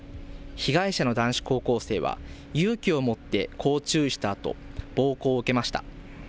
被害者の男子高校生は勇気を持ってこう注意したあと暴行を受けました。